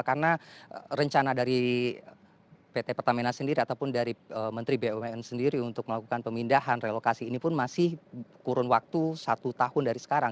karena rencana dari pt pertamina sendiri ataupun dari menteri bumn sendiri untuk melakukan pemindahan relokasi ini pun masih kurun waktu satu tahun dari sekarang